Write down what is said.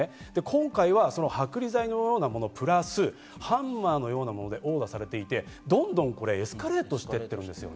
今回は剥離剤のようなものプラス、ハンマーのようなもので殴打されていて、どんどんエスカレートしている感じです。